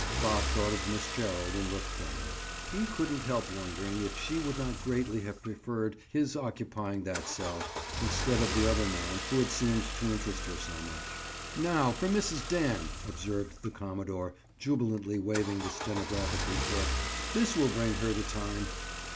Bob thought of Miss Gerald and looked down. He couldn't help wondering if she would not greatly have preferred his (Bob's) occupying that cell, instead of the other man who had seemed to interest her so much. "Now for Mrs. Dan," observed the commodore, jubilantly waving the stenographic report. "This will bring her to time."